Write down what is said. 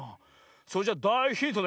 それじゃだいヒントね。